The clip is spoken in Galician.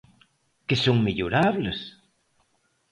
¿Que son mellorables?